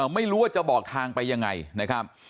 ไม่รู้ว่าจะบอกทางไปยังไงนะครับ